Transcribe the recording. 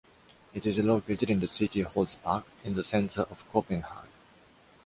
It is located in the city hall’s park, in the center of Copenhague.